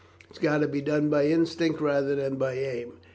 It has got to be done by instinct rather than by aim.